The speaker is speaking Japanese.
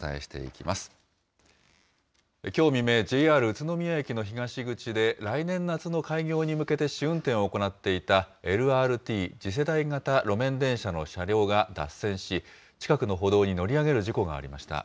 きょう未明、ＪＲ宇都宮駅の東口で、来年夏の開業に向けて試運転を行っていた、ＬＲＴ・次世代型路面電車の車両が脱線し、近くの歩道に乗り上げる事故がありました。